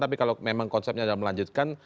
tapi kalau memang konsepnya adalah melanjutkan